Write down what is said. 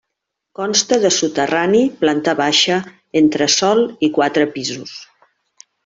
Consta de soterrani, planta baixa, entresòl i quatre pisos.